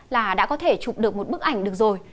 là đã có thể chụp được một bức ảnh được rồi